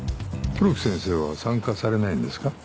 黒木先生は参加されないんですか？